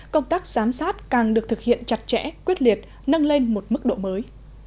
công tác giám sát càng được thực hiện chặt chẽ quyết liệt nâng lên một mức độ mới